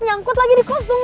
nyangkut lagi di kos dong